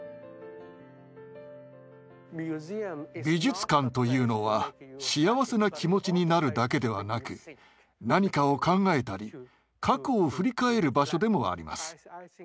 美術館というのは幸せな気持ちになるだけではなく何かを考えたり過去を振り返る場所でもあります。